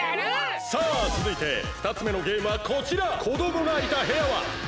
さあつづいてふたつめのゲームはこちら。